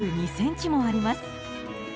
身長は１７２ｃｍもあります。